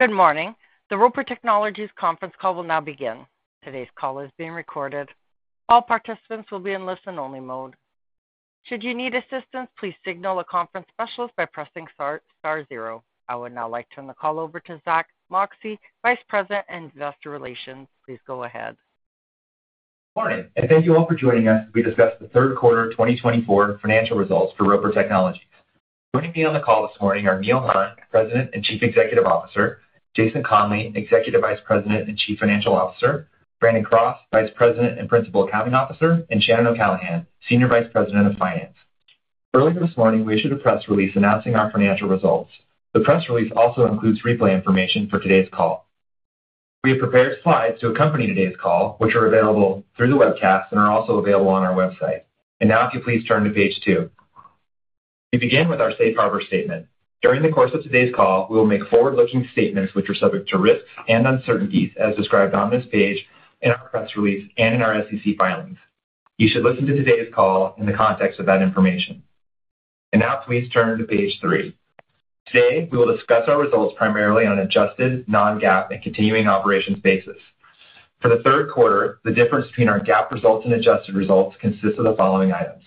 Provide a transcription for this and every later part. Good morning. The Roper Technologies conference call will now begin. Today's call is being recorded. All participants will be in listen-only mode. Should you need assistance, please signal a conference specialist by pressing star star zero. I would now like to turn the call over to Zack Moxcey, Vice President of Investor Relations. Please go ahead. Good morning, and thank you all for joining us as we discuss the Q3 of 2024 Financial Results for Roper Technologies. Joining me on the call this morning are Neil Hunn, President and Chief Executive Officer; Jason Conley, Executive Vice President and Chief Financial Officer; Brandon Cross, Vice President and Principal Accounting Officer; and Shannon O'Callaghan, Senior Vice President of Finance. Earlier this morning, we issued a press release announcing our financial results. The press release also includes replay information for today's call. We have prepared slides to accompany today's call, which are available through the webcast and are also available on our website. And now, if you please turn to page two. We begin with our safe harbor statement. During the course of today's call, we will make forward-looking statements which are subject to risks and uncertainties as described on this page, in our press release, and in our SEC filings. You should listen to today's call in the context of that information. Now, please turn to page three. Today, we will discuss our results primarily on adjusted non-GAAP and continuing-operations basis. For the third quarter, the difference between our GAAP results and adjusted results consists of the following items: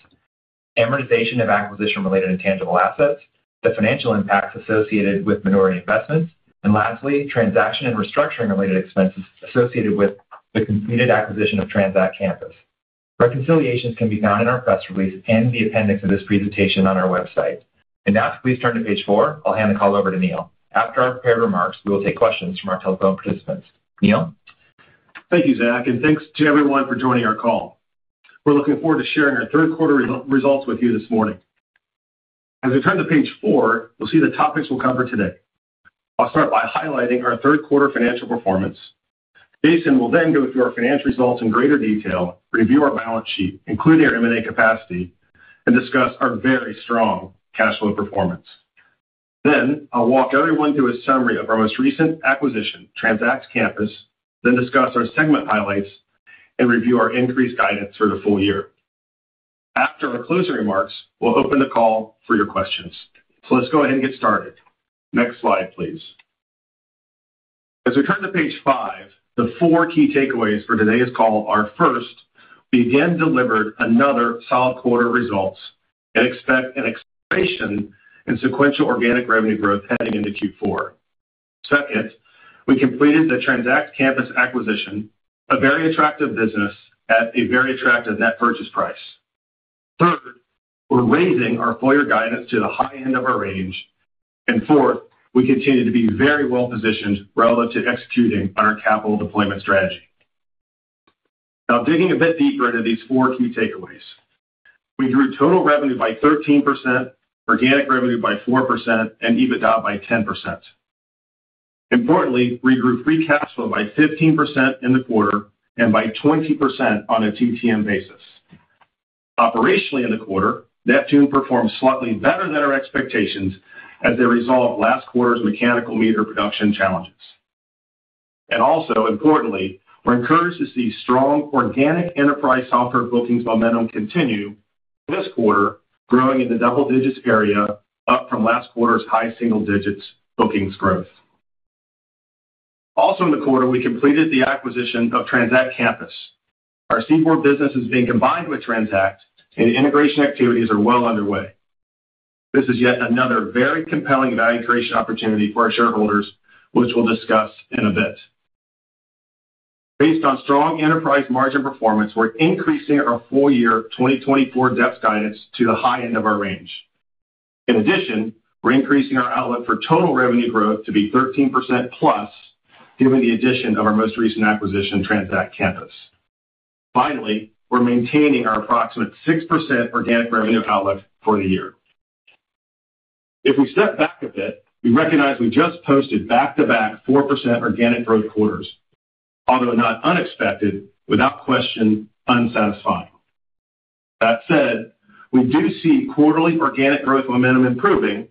amortization of acquisition-related intangible assets, the financial impacts associated with minority investments, and lastly, transaction and restructuring-related expenses associated with the completed acquisition of Transact Campus. Reconciliations can be found in our press release and the appendix of this presentation on our website. Now, if you please turn to page four, I'll hand the call over to Neil. After our prepared remarks, we will take questions from our telephone participants. Neil? Thank you, Zack, and thanks to everyone for joining our call. We're looking forward to sharing our third quarter results with you this morning. As we turn to page four, you'll see the topics we'll cover today. I'll start by highlighting our third quarter financial performance. Jason will then go through our financial results in greater detail, review our balance sheet, including our M&A capacity, and discuss our very strong cash flow performance. Then I'll walk everyone through a summary of our most recent acquisition, Transact Campus, then discuss our segment highlights and review our increased guidance for the full year. After our closing remarks, we'll open the call for your questions. So let's go ahead and get started. Next slide, please. As we turn to page five, the four key takeaways for today's call are, first, we again delivered another solid quarter results and expect an acceleration in sequential organic revenue growth heading into Q4. Second, we completed the Transact Campus acquisition, a very attractive business at a very attractive net purchase price. Third, we're raising our full-year guidance to the high end of our range. And fourth, we continue to be very well-positioned relative to executing on our capital deployment strategy. Now, digging a bit deeper into these four key takeaways. We grew total revenue by 13%, organic revenue by 4%, and EBITDA by 10%. Importantly, we grew free cash flow by 15% in the quarter and by 20% on a TTM basis. Operationally, in the quarter, Neptune performed slightly better than our expectations as a result of last quarter's mechanical meter production challenges. Also, importantly, we're encouraged to see strong organic enterprise software bookings momentum continue this quarter, growing in the double digits area, up from last quarter's high single digits bookings growth. Also in the quarter, we completed the acquisition of Transact Campus. Our CBORD business is being combined with Transact, and integration activities are well underway. This is yet another very compelling value creation opportunity for our shareholders, which we'll discuss in a bit. Based on strong enterprise margin performance, we're increasing our full-year 2024 EBITDA guidance to the high end of our range. In addition, we're increasing our outlook for total revenue growth to be 13% plus, given the addition of our most recent acquisition, Transact Campus. Finally, we're maintaining our approximate 6% organic revenue outlook for the year. If we step back a bit, we recognize we just posted back-to-back 4% organic growth quarters, although not unexpected, without question, unsatisfying. That said, we do see quarterly organic growth momentum improving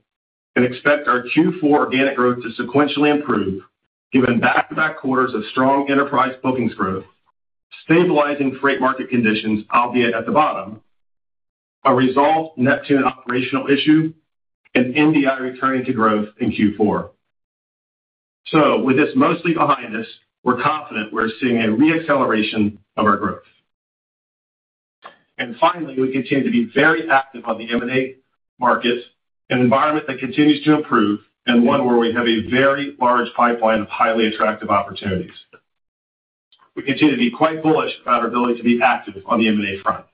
and expect our Q4 organic growth to sequentially improve, given back-to-back quarters of strong enterprise bookings growth, stabilizing freight market conditions, albeit at the bottom, a resolved Neptune operational issue, and NDI returning to growth in Q4. So with this mostly behind us, we're confident we're seeing a re-acceleration of our growth. And finally, we continue to be very active on the M&A market, an environment that continues to improve, and one where we have a very large pipeline of highly attractive opportunities. We continue to be quite bullish about our ability to be active on the M&A front.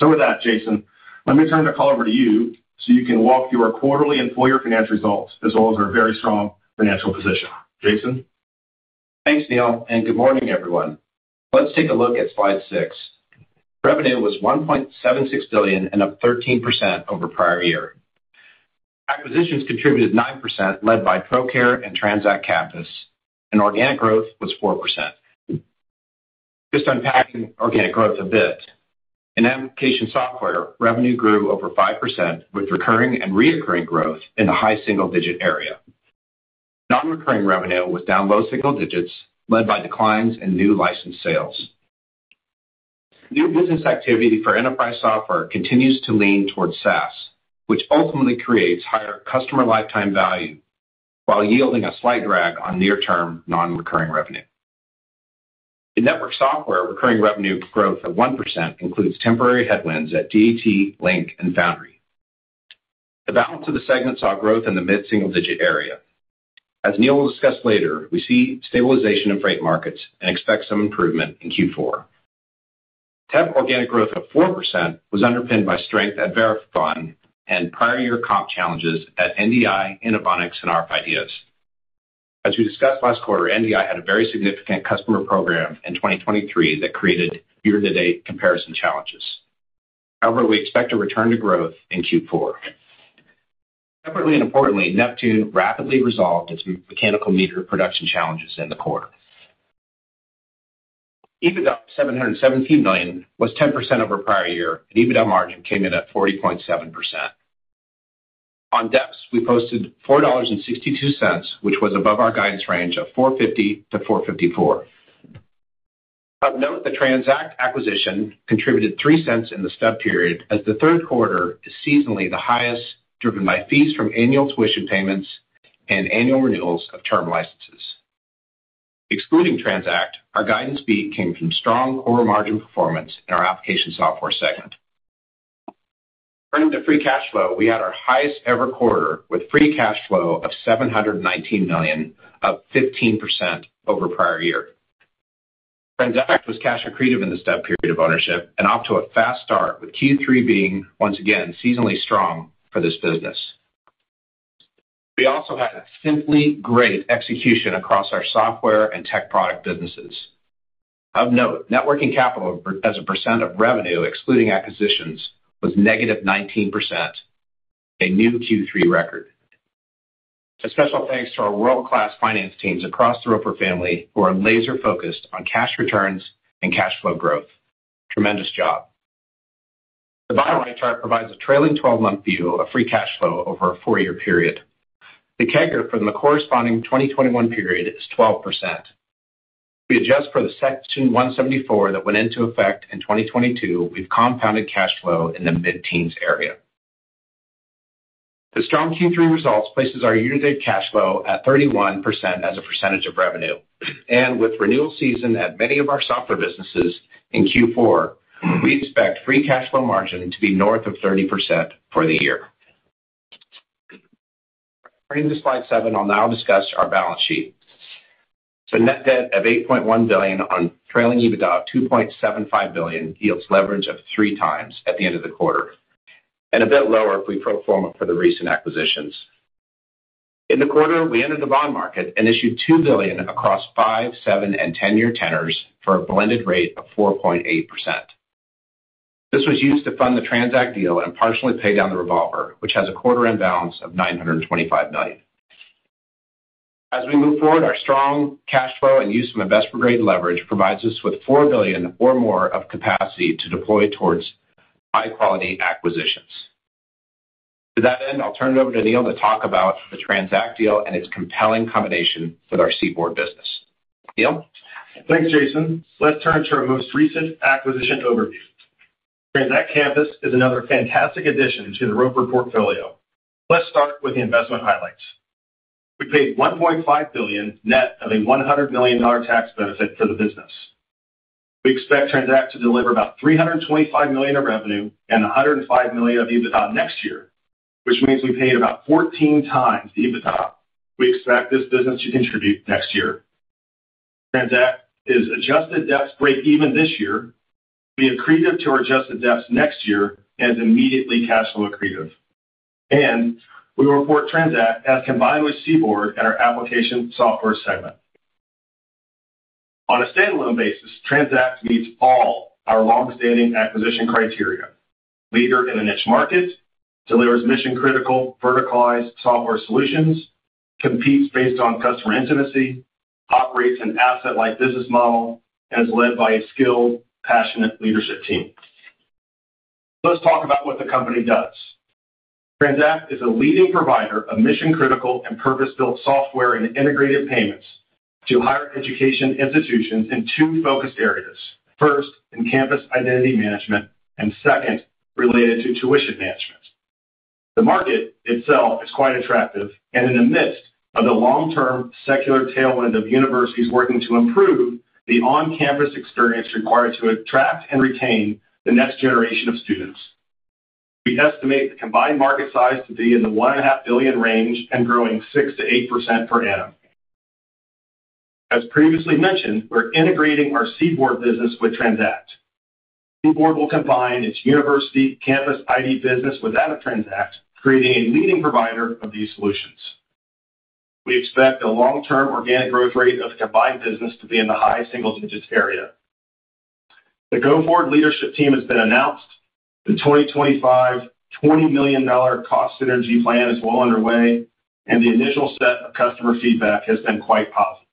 So with that, Jason, let me turn the call over to you, so you can walk through our quarterly and full-year financial results, as well as our very strong financial position. Jason? Thanks, Neil, and good morning, everyone. Let's take a look at slide six. Revenue was $1.76 billion and up 13% over prior year. Acquisitions contributed 9%, led by Procare and Transact Campus, and organic growth was 4%. Just unpacking organic growth a bit. In application software, revenue grew over 5%, with recurring and reoccurring growth in the high single digit area. Non-recurring revenue was down low single digits, led by declines in new license sales.... New business activity for enterprise software continues to lean towards SaaS, which ultimately creates higher customer lifetime value, while yielding a slight drag on near-term non-recurring revenue. In network software, recurring revenue growth of 1% includes temporary headwinds at DAT, Loadlink, and Foundry. The balance of the segment saw growth in the mid-single-digit area. As Neil will discuss later, we see stabilization in freight markets and expect some improvement in Q4. Tech organic growth of 4% was underpinned by strength at Verathon and prior year comp challenges at NDI, Inovonics, and RF IDeas. As we discussed last quarter, NDI had a very significant customer program in 2023 that created year-to-date comparison challenges. However, we expect a return to growth in Q4. Separately and importantly, Neptune rapidly resolved its mechanical meter production challenges in the quarter. EBITDA, $717 million, was 10% over prior year, and EBITDA margin came in at 40.7%. On DEPS, we posted $4.62, which was above our guidance range of $4.50-$4.54. Of note, the Transact acquisition contributed $0.03 in the stub period, as the third quarter is seasonally the highest, driven by fees from annual tuition payments and annual renewals of term licenses. Excluding Transact, our guidance beat came from strong overall margin performance in our application software segment. Turning to free cash flow, we had our highest ever quarter, with free cash flow of $719 million, up 15% over prior year. Transact was cash accretive in the stub period of ownership and off to a fast start, with Q3 being once again seasonally strong for this business. We also had simply great execution across our software and tech product businesses. Of note, net working capital as a percent of revenue, excluding acquisitions, was negative 19%, a new Q3 record. A special thanks to our world-class finance teams across the Roper family, who are laser-focused on cash returns and cash flow growth. Tremendous job. The bottom right chart provides a trailing twelve-month view of free cash flow over a four-year period. The CAGR from the corresponding 2021 period is 12%. We adjust for the Section 174 that went into effect in 2022; we've compounded cash flow in the mid-teens area. The strong Q3 results place our year-to-date cash flow at 31% as a percentage of revenue, and with renewal season at many of our software businesses in Q4, we expect free cash flow margin to be north of 30% for the year. Turning to slide seven, I'll now discuss our balance sheet. So net debt of $8.1 billion on trailing EBITDA of $2.75 billion yields leverage of 3x at the end of the quarter, and a bit lower if we pro forma for the recent acquisitions. In the quarter, we entered the bond market and issued $2 billion across 5-, 7-, and 10-year tenors for a blended rate of 4.8%. This was used to fund the Transact deal and partially pay down the revolver, which has a quarter-end balance of $925 million. As we move forward, our strong cash flow and use from investment-grade leverage provides us with $4 billion or more of capacity to deploy towards high-quality acquisitions. To that end, I'll turn it over to Neil to talk about the Transact deal and its compelling combination with our CBORD business. Neil? Thanks, Jason. Let's turn to our most recent acquisition overview. Transact Campus is another fantastic addition to the Roper portfolio. Let's start with the investment highlights. We paid $1.5 billion, net of a $100 million tax benefit for the business. We expect Transact to deliver about $325 million of revenue and $105 million of EBITDA next year, which means we paid about 14 times the EBITDA. We expect this business to contribute next year. Transact is adjusted DEPS break even this year, be accretive to our adjusted DEPS next year, and immediately cash flow accretive. And we report Transact as combined with CBORD at our application software segment. On a standalone basis, Transact meets all our long-standing acquisition criteria: leader in a niche market, delivers mission-critical verticalized software solutions, competes based on customer intimacy, operates an asset-light business model, and is led by a skilled, passionate leadership team. Let's talk about what the company does. Transact is a leading provider of mission-critical and purpose-built software and integrated payments to higher education institutions in two focused areas. First, in campus identity management, and second, related to tuition management. The market itself is quite attractive and in the midst of the long-term secular tailwind of universities working to improve the on-campus experience required to attract and retain the next generation of students. We estimate the combined market size to be in the $1.5 billion range and growing 6%-8% per annum. As previously mentioned, we're integrating our CBORD business with Transact. CBORD will combine its university campus ID business with Transact, creating a leading provider of these solutions. We expect a long-term organic growth rate of combined business to be in the high single digits area. The go-forward leadership team has been announced. The 2025 $20 million cost synergy plan is well underway, and the initial set of customer feedback has been quite positive.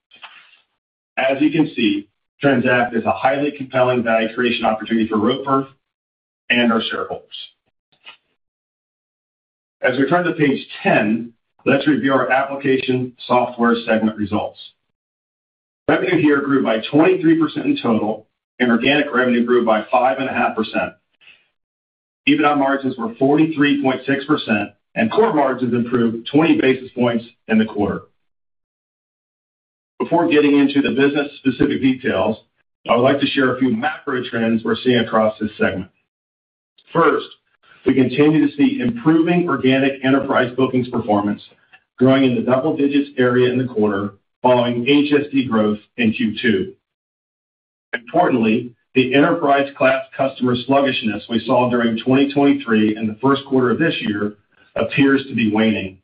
As you can see, Transact is a highly compelling value creation opportunity for Roper and our shareholders.... As we turn to page 10, let's review our application software segment results. Revenue here grew by 23% in total, and organic revenue grew by 5.5%. EBITDA margins were 43.6%, and core margins improved 20 basis points in the quarter. Before getting into the business-specific details, I would like to share a few macro trends we're seeing across this segment. First, we continue to see improving organic enterprise bookings performance growing in the double digits area in the quarter, following HSD growth in Q2. Importantly, the enterprise-class customer sluggishness we saw during 2023 and the first quarter of this year appears to be waning.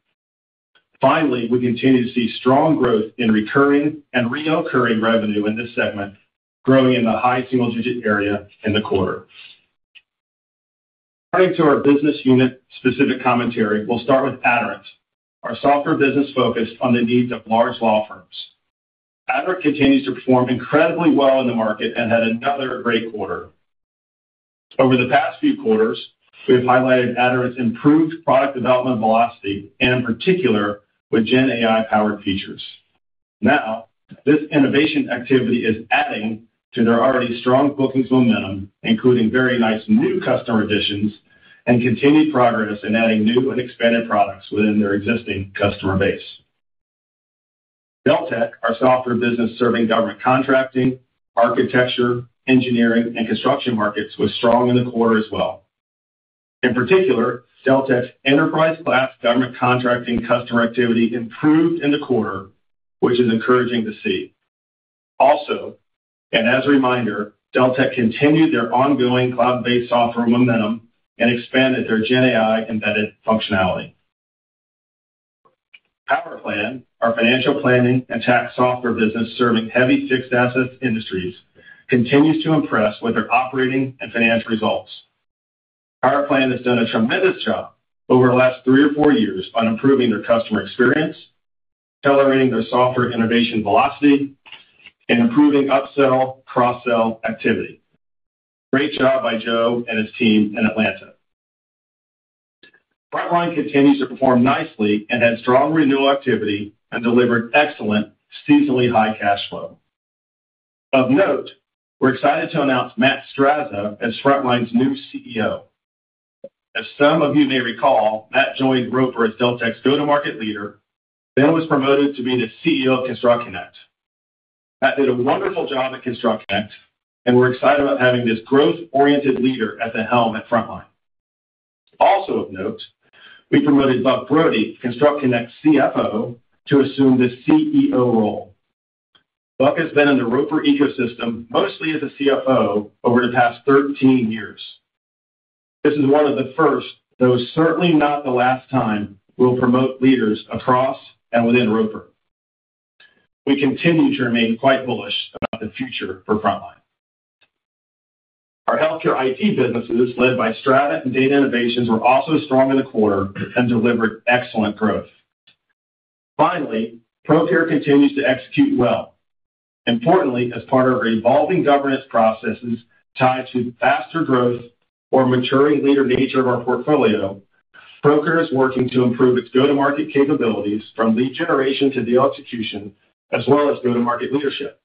Finally, we continue to see strong growth in recurring and recurring revenue in this segment, growing in the high single-digit area in the quarter. Turning to our business unit-specific commentary, we'll start with Aderant, our software business focused on the needs of large law firms. Aderant continues to perform incredibly well in the market and had another great quarter. Over the past few quarters, we have highlighted Aderant's improved product development velocity, and in particular, with GenAI-powered features. Now, this innovation activity is adding to their already strong bookings momentum, including very nice new customer additions, and continued progress in adding new and expanded products within their existing customer base. Deltek, our software business, serving government contracting, architecture, engineering, and construction markets, was strong in the quarter as well. In particular, Deltek's enterprise-class government contracting customer activity improved in the quarter, which is encouraging to see. Also, and as a reminder, Deltek continued their ongoing cloud-based software momentum and expanded their GenAI-embedded functionality. PowerPlan, our financial planning and tax software business, serving heavy fixed assets industries, continues to impress with their operating and financial results. PowerPlan has done a tremendous job over the last three or four years on improving their customer experience, accelerating their software innovation velocity, and improving upsell, cross-sell activity. Great job by Joe and his team in Atlanta. Frontline continues to perform nicely and had strong renewal activity and delivered excellent seasonally high cash flow. Of note, we're excited to announce Matt Strazza as Frontline's new CEO. As some of you may recall, Matt joined Roper as Deltek's go-to-market leader, then was promoted to be the CEO of ConstructConnect. Matt did a wonderful job at ConstructConnect, and we're excited about having this growth-oriented leader at the helm at Frontline. Also of note, we promoted Buck Brody, ConstructConnect's CFO, to assume the CEO role. Buck has been in the Roper ecosystem, mostly as a CFO, over the past 13 years. This is one of the first, though certainly not the last time, we'll promote leaders across and within Roper. We continue to remain quite bullish about the future for Frontline. Our healthcare IT businesses, led by Strata and Data Innovations, were also strong in the quarter and delivered excellent growth. Finally, Procare continues to execute well. Importantly, as part of our evolving governance processes tied to faster growth or maturing leader nature of our portfolio, Procare is working to improve its go-to-market capabilities from lead generation to deal execution, as well as go-to-market leadership.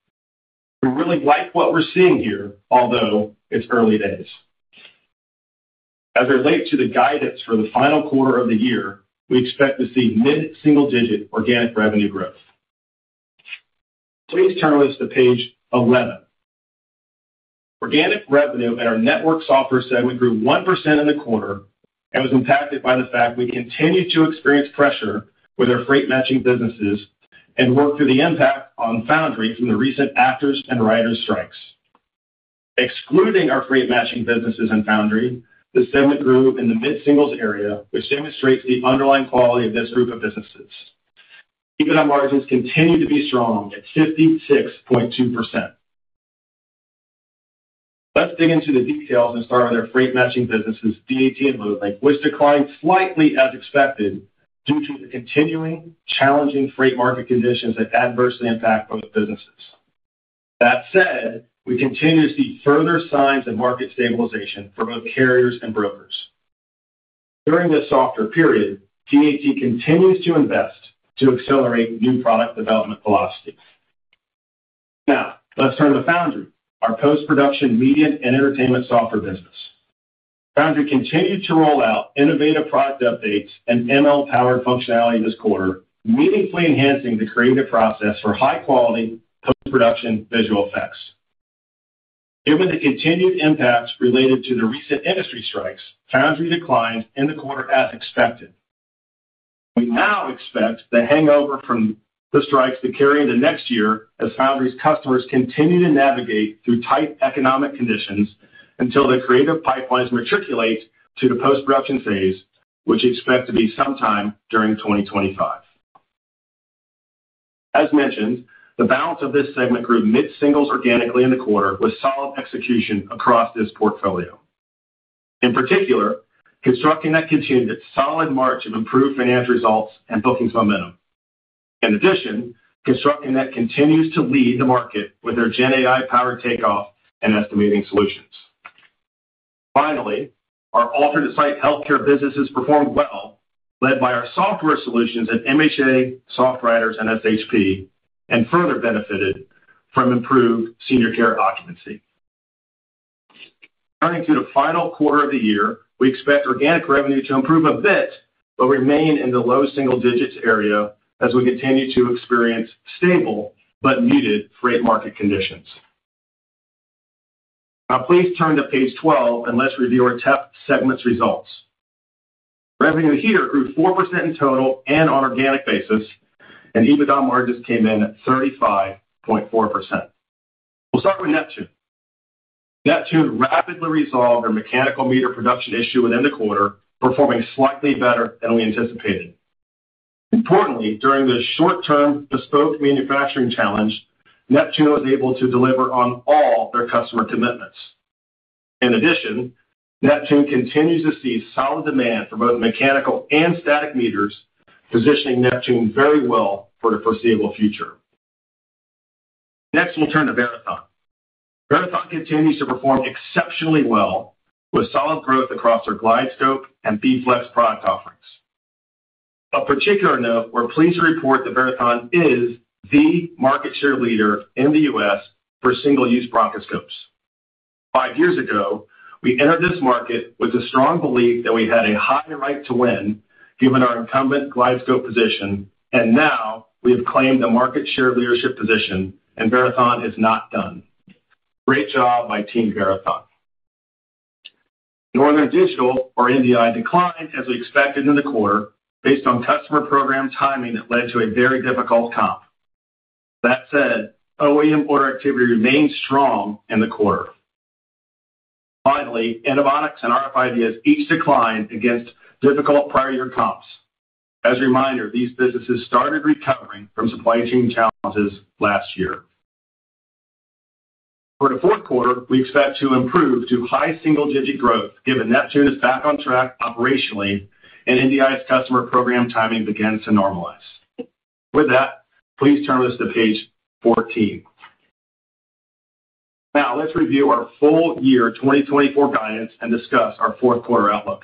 We really like what we're seeing here, although it's early days. As it relate to the guidance for the final quarter of the year, we expect to see mid-single-digit organic revenue growth. Please turn with us to page 11. Organic revenue at our network software segment grew 1% in the quarter and was impacted by the fact we continued to experience pressure with our freight matching businesses and work through the impact on Foundry from the recent actors and writers strikes. Excluding our freight matching businesses and Foundry, the segment grew in the mid-singles area, which demonstrates the underlying quality of this group of businesses. EBITDA margins continue to be strong at 56.2%. Let's dig into the details and start with our freight matching businesses, DAT and Loadlink, which declined slightly as expected, due to the continuing challenging freight market conditions that adversely impact both businesses. That said, we continue to see further signs of market stabilization for both carriers and brokers. During this softer period, DAT continues to invest to accelerate new product development velocity. Now, let's turn to Foundry, our post-production, media, and entertainment software business. Foundry continued to roll out innovative product updates and ML-powered functionality this quarter, meaningfully enhancing the creative process for high-quality post-production visual effects. Given the continued impacts related to the recent industry strikes, Foundry declined in the quarter as expected. We now expect the hangover from the strikes to carry into next year as Foundry's customers continue to navigate through tight economic conditions until the creative pipelines matriculate to the post-production phase, which expect to be sometime during 2025. As mentioned, the balance of this segment grew mid-singles organically in the quarter, with solid execution across this portfolio. In particular, ConstructConnect continued its solid march of improved financial results and bookings momentum. In addition, ConstructConnect continues to lead the market with their GenAI-powered takeoff and estimating solutions. Finally, our alternate site healthcare businesses performed well, led by our software solutions at MHA, SoftWriters, and SHP, and further benefited from improved senior care occupancy. Turning to the final quarter of the year, we expect organic revenue to improve a bit, but remain in the low single digits area as we continue to experience stable but needed freight market conditions. Now, please turn to page twelve, and let's review our TEF segments results. Revenue here grew 4% in total and on organic basis, and EBITDA margins came in at 35.4%. We'll start with Neptune. Neptune rapidly resolved our mechanical meter production issue within the quarter, performing slightly better than we anticipated. Importantly, during this short-term bespoke manufacturing challenge, Neptune was able to deliver on all their customer commitments. In addition, Neptune continues to see solid demand for both mechanical and static meters, positioning Neptune very well for the foreseeable future. Next, we'll turn to Verathon. Verathon continues to perform exceptionally well, with solid growth across our GlideScope and B-Flex product offerings. Of particular note, we're pleased to report that Verathon is the market share leader in the U.S. for single-use bronchoscopes. Five years ago, we entered this market with a strong belief that we had a high right to win, given our incumbent GlideScope position, and now we have claimed the market share leadership position, and Verathon is not done. Great job by Team Verathon! Northern Digital, or NDI, declined as we expected in the quarter, based on customer program timing that led to a very difficult comp. That said, OEM order activity remained strong in the quarter. Finally, Inovonics and RF IDeas each declined against difficult prior year comps. As a reminder, these businesses started recovering from supply chain challenges last year. For the fourth quarter, we expect to improve to high single-digit growth, given Neptune is back on track operationally and NDI's customer program timing begins to normalize. With that, please turn with us to page 14. Now, let's review our full year twenty twenty-four guidance and discuss our fourth quarter outlook.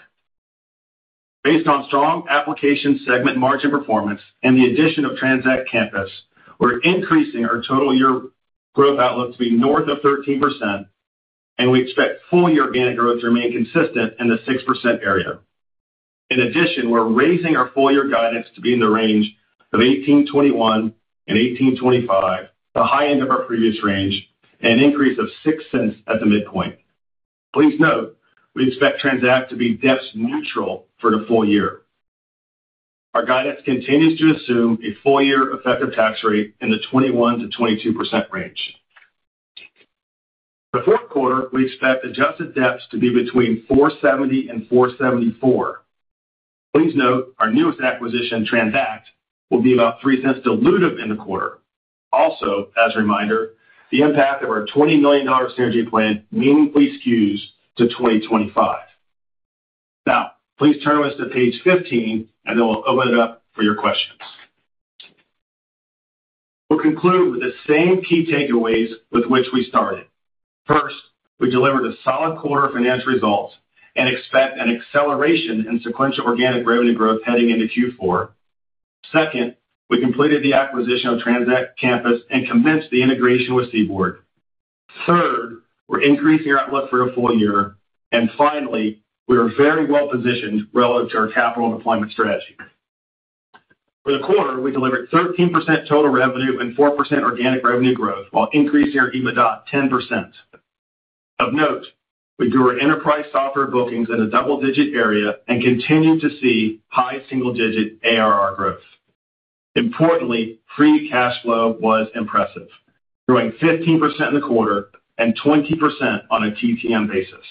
Based on strong application segment margin performance and the addition of Transact Campus, we're increasing our total year growth outlook to be north of 13%, and we expect full year organic growth to remain consistent in the 6% area. In addition, we're raising our full year guidance to be in the range of $18.21 and $18.25, the high end of our previous range, and an increase of $0.06 at the midpoint. Please note, we expect Transact to be DEPS neutral for the full year. Our guidance continues to assume a full year effective tax rate in the 21%-22% range. The fourth quarter, we expect adjusted DEPS to be between $4.70 and $4.74. Please note, our newest acquisition, Transact, will be about $0.03 dilutive in the quarter. Also, as a reminder, the impact of our $20 million synergy plan meaningfully skews to 2025. Now, please turn with us to page 15, and then we'll open it up for your questions. We'll conclude with the same key takeaways with which we started. First, we delivered a solid quarter of financial results and expect an acceleration in sequential organic revenue growth heading into Q4. Second, we completed the acquisition of Transact Campus and commenced the integration with CBORD. Third, we're increasing our outlook for a full year. And finally, we are very well positioned relative to our capital and deployment strategy. For the quarter, we delivered 13% total revenue and 4% organic revenue growth while increasing our EBITDA 10%. Of note, we grew our enterprise software bookings in a double-digit area and continued to see high single-digit ARR growth. Importantly, free cash flow was impressive, growing 15% in the quarter and 20% on a TTM basis.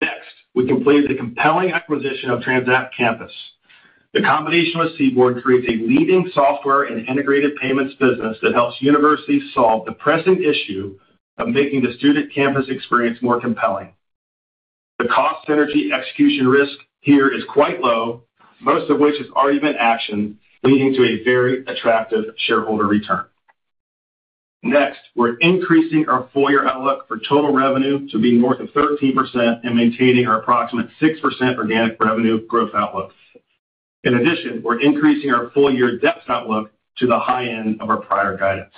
Next, we completed the compelling acquisition of Transact Campus. The combination with CBORD creates a leading software and integrated payments business that helps universities solve the pressing issue of making the student campus experience more compelling. The cost synergy execution risk here is quite low, most of which has already been actioned, leading to a very attractive shareholder return. Next, we're increasing our full year outlook for total revenue to be north of 13% and maintaining our approximate 6% organic revenue growth outlook. In addition, we're increasing our full year DEPS outlook to the high end of our prior guidance.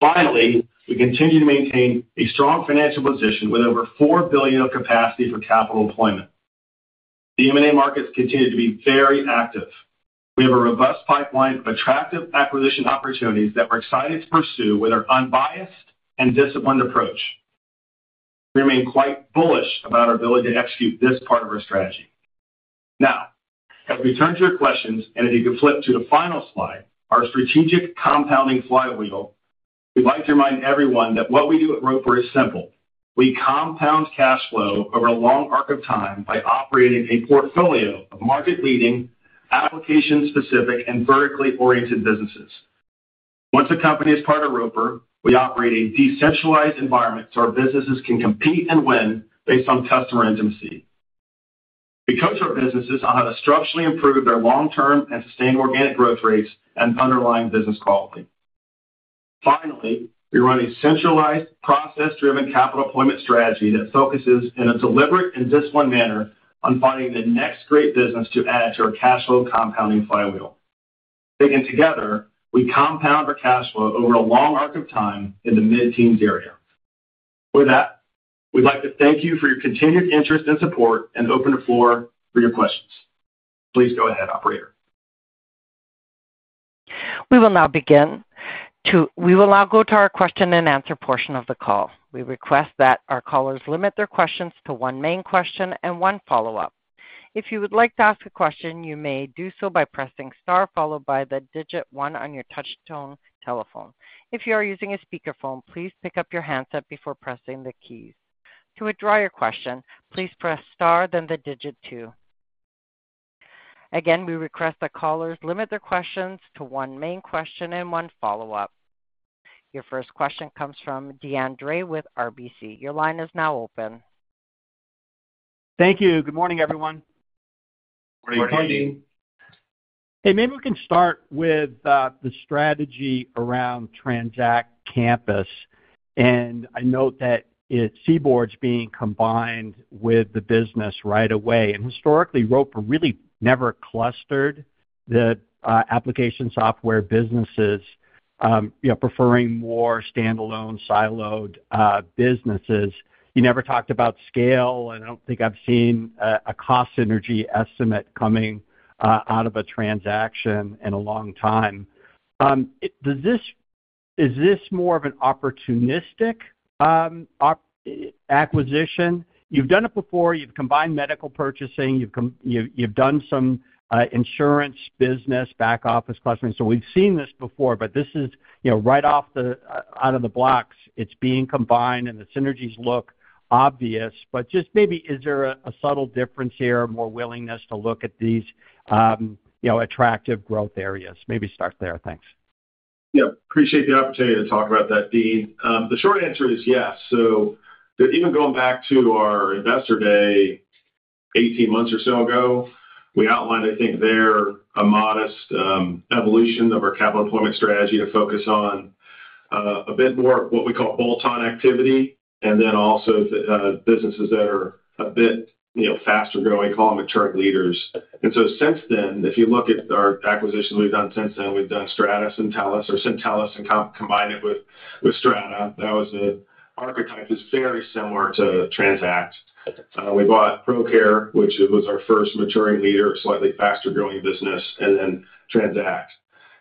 Finally, we continue to maintain a strong financial position with over $4 billion of capacity for capital employment. The M&A markets continue to be very active. We have a robust pipeline of attractive acquisition opportunities that we're excited to pursue with our unbiased and disciplined approach. We remain quite bullish about our ability to execute this part of our strategy. Now, as we turn to your questions, and if you could flip to the final slide, our strategic compounding flywheel, we'd like to remind everyone that what we do at Roper is simple. We compound cash flow over a long arc of time by operating a portfolio of market-leading, application-specific, and vertically oriented businesses. Once a company is part of Roper, we operate a decentralized environment, so our businesses can compete and win based on customer intimacy. We coach our businesses on how to structurally improve their long-term and sustained organic growth rates and underlying business quality. Finally, we run a centralized, process-driven capital deployment strategy that focuses in a deliberate and disciplined manner on finding the next great business to add to our cash flow compounding flywheel. Taken together, we compound our cash flow over a long arc of time in the mid-teens area. With that, we'd like to thank you for your continued interest and support, and open the floor for your questions. Please go ahead, operator. We will now go to our question-and-answer portion of the call. We request that our callers limit their questions to one main question and one follow-up. If you would like to ask a question, you may do so by pressing star, followed by the digit one on your touchtone telephone. If you are using a speakerphone, please pick up your handset before pressing the keys. To withdraw your question, please press star, then the digit two. Again, we request that callers limit their questions to one main question and one follow-up. Your first question comes from Deane Dray with RBC. Your line is now open. Thank you. Good morning, everyone. Good morning, Deane. Hey, maybe we can start with the strategy around Transact Campus. And I note that its CBORD is being combined with the business right away. And historically, Roper really never clustered the application software businesses, you know, preferring more standalone, siloed businesses. You never talked about scale, and I don't think I've seen a cost synergy estimate coming out of a transaction in a long time. Is this more of an opportunistic acquisition? You've done it before. You've combined medical purchasing, you've done some insurance business, back office clustering. So we've seen this before, but this is, you know, right out of the blocks. It's being combined, and the synergies look obvious, but just maybe, is there a subtle difference here, more willingness to look at these, you know, attractive growth areas? Maybe start there. Thanks. Yeah, appreciate the opportunity to talk about that, Dean. The short answer is yes. So even going back to our Investor Day, eighteen months or so ago, we outlined, I think, there, a modest evolution of our capital deployment strategy to focus on a bit more what we call bolt-on activity, and then also the businesses that are a bit, you know, faster growing, call them mature leaders. And so since then, if you look at our acquisitions we've done since then, we've done Strata and Syntellis, combined it with Strata. That was an archetype that's very similar to Transact. We bought Procare, which it was our first maturing leader, a slightly faster-growing business, and then Transact.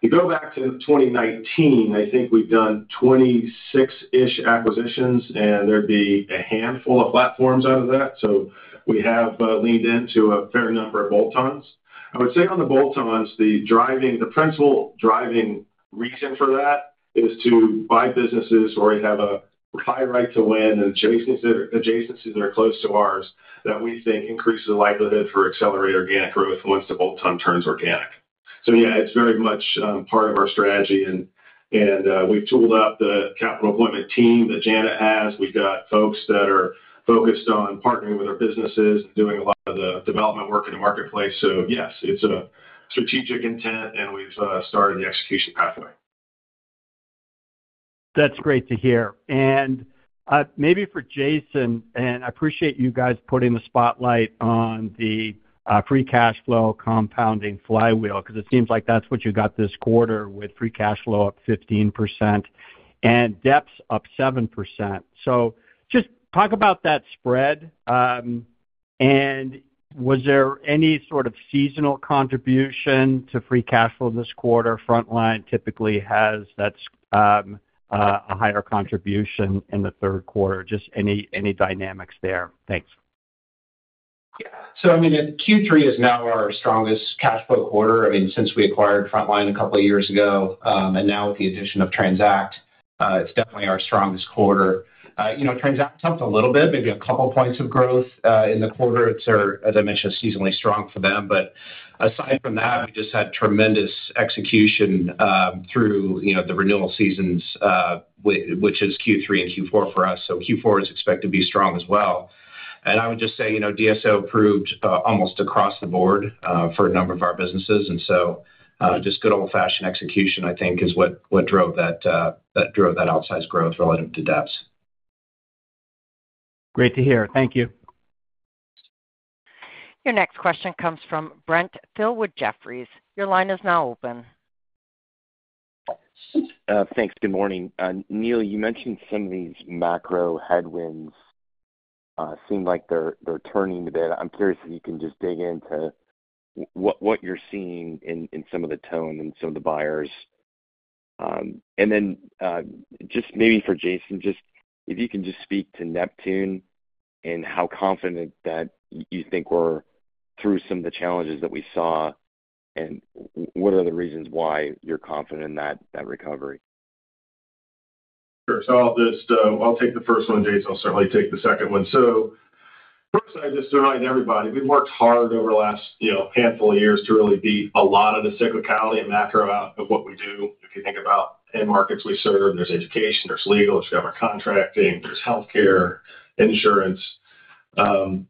You go back to twenty nineteen. I think we've done 26-ish acquisitions, and there'd be a handful of platforms out of that, so we have leaned into a fair number of bolt-ons. I would say on the bolt-ons, the principal driving reason for that is to buy businesses where we have a high right to win and adjacencies that are close to ours, that we think increase the likelihood for accelerated organic growth once the bolt-on turns organic. So yeah, it's very much part of our strategy, and we've tooled up the capital deployment team that Janet has. We've got folks that are focused on partnering with our businesses and doing a lot of the development work in the marketplace. So yes, it's a strategic intent, and we've started the execution pathway. That's great to hear. And, maybe for Jason, and I appreciate you guys putting the spotlight on the, free cash flow compounding flywheel, because it seems like that's what you got this quarter with free cash flow up 15% and DEPS up 7%. So just talk about that spread, and was there any sort of seasonal contribution to free cash flow this quarter? Frontline typically has that, a higher contribution in the third quarter. Just any dynamics there? Thanks. Yeah. So, I mean, Q3 is now our strongest cash flow quarter, I mean, since we acquired Frontline a couple of years ago. And now with the addition of Transact, it's definitely our strongest quarter. You know, Transact helped a little bit, maybe a couple points of growth, in the quarter. It's, as I mentioned, seasonally strong for them. But aside from that, we just had tremendous execution, through, you know, the renewal seasons, which is Q3 and Q4 for us. So Q4 is expected to be strong as well. And I would just say, you know, DSO improved, almost across the board, for a number of our businesses. And so, just good old-fashioned execution, I think, is what drove that outsized growth relative to DEPS. Great to hear. Thank you. Your next question comes from Brent Thill with Jefferies. Your line is now open. Thanks. Good morning. Neil, you mentioned some of these macro headwinds seem like they're turning a bit. I'm curious if you can just dig into what you're seeing in some of the tone and some of the buyers. Then, just maybe for Jason, just if you can just speak to Neptune and how confident you think we're through some of the challenges that we saw, and what are the reasons why you're confident in that recovery?... Sure. So I'll just, I'll take the first one, Jason, I'll certainly take the second one. So first, I just remind everybody, we've worked hard over the last, you know, handful of years to really beat a lot of the cyclicality and macro out of what we do. If you think about end markets we serve, there's education, there's legal, there's government contracting, there's healthcare, insurance. And,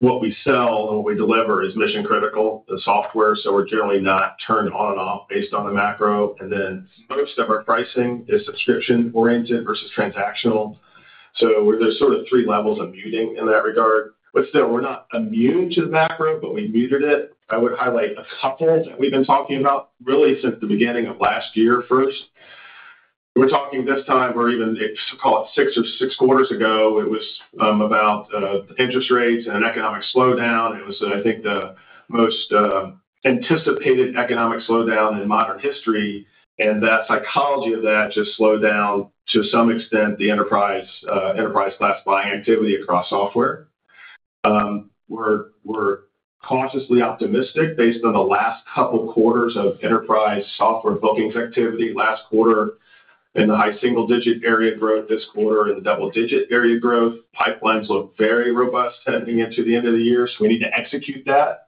what we sell and what we deliver is mission-critical, the software, so we're generally not turned on and off based on the macro. And then most of our pricing is subscription-oriented versus transactional. So there's sort of three levels of muting in that regard. But still, we're not immune to the macro, but we muted it. I would highlight a couple that we've been talking about really since the beginning of last year first. We're talking this time, or even if, call it six or six quarters ago, it was about interest rates and an economic slowdown. It was, I think, the most anticipated economic slowdown in modern history, and that psychology of that just slowed down, to some extent, the enterprise-class buying activity across software. We're cautiously optimistic based on the last couple quarters of enterprise software bookings activity last quarter in the high single digit area growth this quarter in the double digit area growth. Pipelines look very robust heading into the end of the year, so we need to execute that,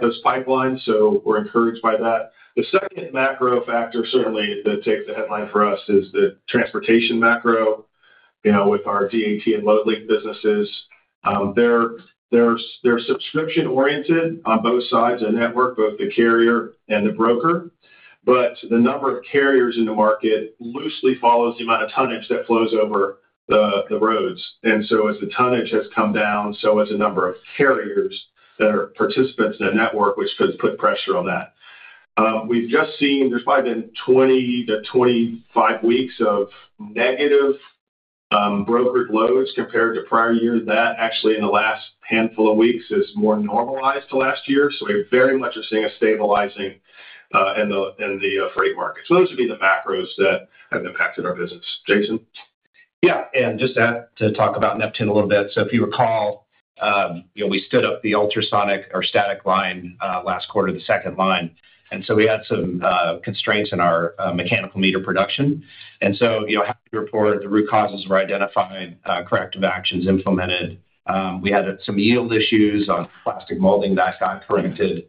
those pipelines, so we're encouraged by that. The second macro factor, certainly that takes the headline for us, is the transportation macro, you know, with our DAT and Loadlink businesses. They're subscription-oriented on both sides of the network, both the carrier and the broker. But the number of carriers in the market loosely follows the amount of tonnage that flows over the roads. And so as the tonnage has come down, so has the number of carriers that are participants in the network, which has put pressure on that. We've just seen, there's probably been 20-25 weeks of negative brokered loads compared to prior years. That actually, in the last handful of weeks, is more normalized to last year. So we very much are seeing a stabilizing in the freight market. So those would be the macros that have impacted our business. Jason? Yeah, and just to add, to talk about Neptune a little bit. So if you recall, you know, we stood up the ultrasonic or static line, last quarter, the second line, and so we had some constraints in our mechanical meter production. And so, you know, happy to report the root causes were identified, corrective actions implemented. We had some yield issues on plastic molding that got corrected.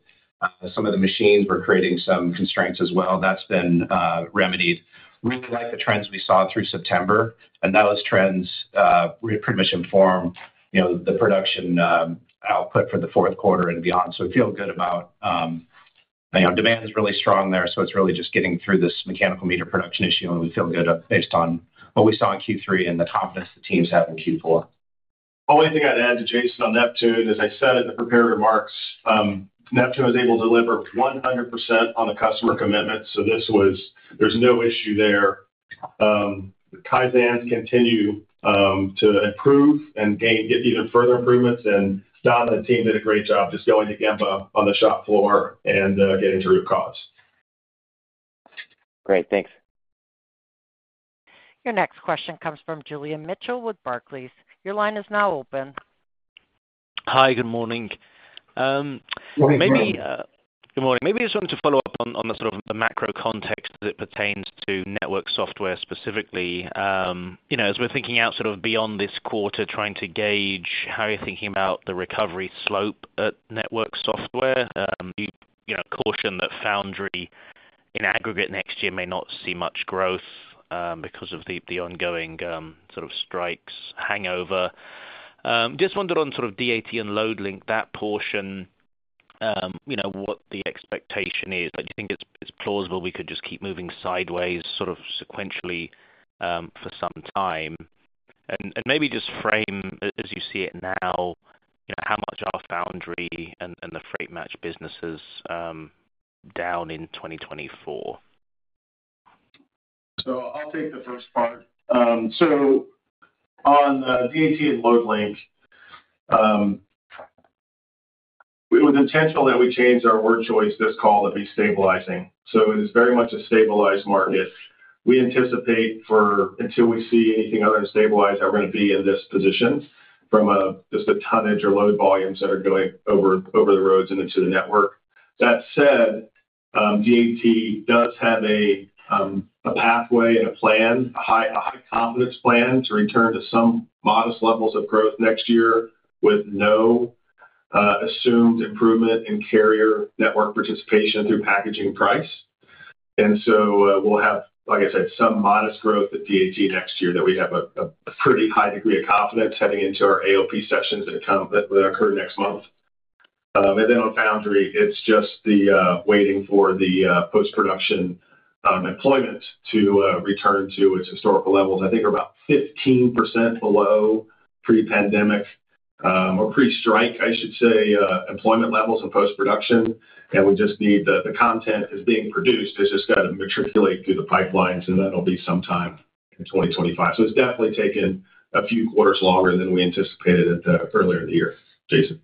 Some of the machines were creating some constraints as well. That's been remedied. Really like the trends we saw through September, and those trends we pretty much informed, you know, the production output for the fourth quarter and beyond. So we feel good about... You know, demand is really strong there, so it's really just getting through this mechanical meter production issue, and we feel good based on what we saw in Q3 and the confidence the teams have in Q4. Only thing I'd add to Jason on Neptune, as I said in the prepared remarks, Neptune was able to deliver 100% on the customer commitment, so this was. There's no issue there. Kaizen continue to improve and get even further improvements, and Don and the team did a great job just going to Gemba on the shop floor and getting to the root cause. Great. Thanks. Your next question comes from Julian Mitchell with Barclays. Your line is now open. Hi, good morning. Good morning. Good morning. Maybe I just wanted to follow up on the sort of macro context as it pertains to Network Software specifically. You know, as we're thinking out sort of beyond this quarter, trying to gauge how you're thinking about the recovery slope at Network Software. You know, you cautioned that Foundry in aggregate next year may not see much growth because of the ongoing sort of strikes hangover. Just wondered on sort of DAT and Loadlink, that portion, you know, what the expectation is. Do you think it's plausible we could just keep moving sideways, sort of sequentially, for some time? And maybe just frame as you see it now, you know, how much are Foundry and the Freight match businesses down in 2024? So I'll take the first part. So on DAT and Loadlink, it was intentional that we changed our word choice this call to be stabilizing. So it is very much a stabilized market. We anticipate for, until we see anything other than stabilize, are going to be in this position from just the tonnage or load volumes that are going over the roads and into the network. That said, DAT does have a pathway and a plan, a high confidence plan to return to some modest levels of growth next year with no assumed improvement in carrier network participation through packaging price. And so, we'll have, like I said, some modest growth at DAT next year that we have a pretty high degree of confidence heading into our ALP sessions that occur next month. Then on Foundry, it's just the waiting for the post-production employment to return to its historical levels. I think we're about 15% below pre-pandemic, or pre-strike, I should say, employment levels of post-production. And we just need the content is being produced. It's just got to matriculate through the pipelines, and that'll be sometime in 2025. So it's definitely taken a few quarters longer than we anticipated earlier in the year. Jason?